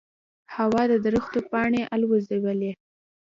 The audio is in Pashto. هوا د درختو پاڼې الوزولې.